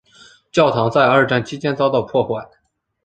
教堂在二战期间遭到破坏。